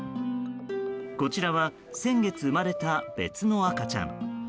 こちらは先月生まれた別の赤ちゃん。